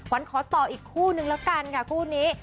วันขอต่ออีกคู่นึงแล้วกันค่ะคู่นี้